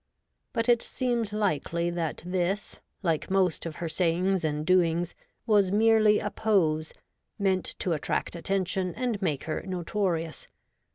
But it seems hkely that this, like most of her sayings and doings, was merely a pose, meant to attract attention and make her notorious.